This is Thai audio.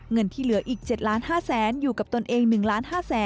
เงินที่เหลืออีก๗๕๐๐๐๐๐บาทอยู่กับตนเอง๑๕๐๐๐๐๐บาท